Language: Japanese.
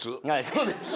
そうですね。